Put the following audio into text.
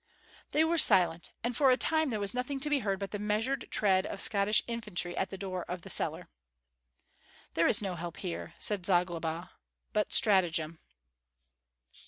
They were silent, and for a time there was nothing to be heard but the measured tread of Scottish infantry at the door of the cellar. "There is no help here," said Zagloba, "but stratagem."